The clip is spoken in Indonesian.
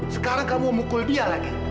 sekarang kamu mau pukul dia lagi